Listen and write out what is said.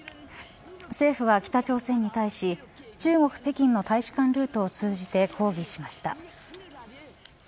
政府は北朝鮮に対し中国、北京の大使館ルートを通じて抗議しました。